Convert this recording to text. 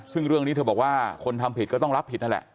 ซึ่งเรื่องนี้เธอบอกว่าคนทำผิดก็ต้องรับผิดนั่นแหละ